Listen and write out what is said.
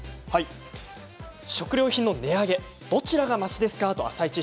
食料品の値上げどちらがましですか「あさイチ」